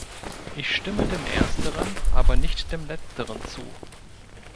Ich stimme dem Ersteren, aber nicht dem Letzteren zu.